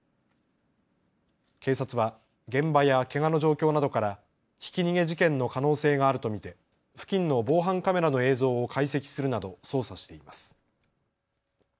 警察は現場やけがの状況などからひき逃げ事件の可能性があると見て付近の防犯カメラの映像を解析するなど捜査しています。